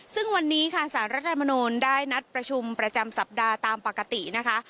ซึ่งวันนี้ค่ะสารรัฐมนูลได้นัดประชุมประจำสัปดาห์ตามปกตินะคะ